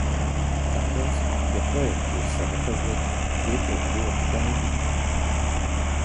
Tāpēc, ja projekti ir sagatavoti, tie tiek ļoti gaidīti.